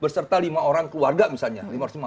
berserta lima orang keluarga misalnya lima ratus lima puluh